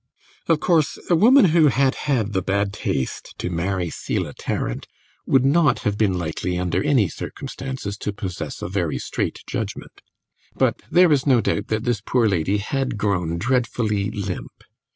Of course a woman who had had the bad taste to marry Selah Tarrant would not have been likely under any circumstances to possess a very straight judgement; but there is no doubt that this poor lady had grown dreadfully limp.